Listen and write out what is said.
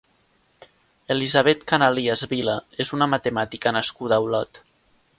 Elisabet Canalias Vila és una matemàtica nascuda a Olot.